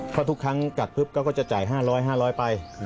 เพราะทุกครั้งกัดก็จะจ่าย๕๐๐๕๐๐บาทไป